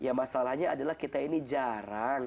ya masalahnya adalah kita ini jarang